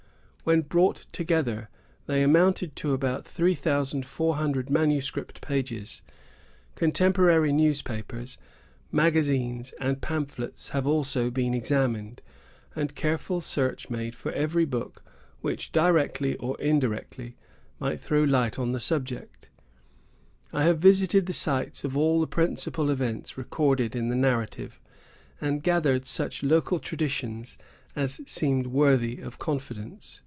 When brought together, they amounted to about three thousand four hundred manuscript pages. Contemporary newspapers, magazines, and pamphlets have also been examined, and careful search made for every book which, directly or indirectly, might throw light upon the subject. I have visited the sites of all the principal events recorded in the narrative, and gathered such local traditions as seemed worthy of confidence.